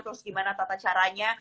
terus gimana tata caranya